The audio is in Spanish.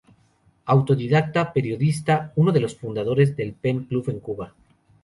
Fue la última coronación del emperador y su esposa en el imperio ruso.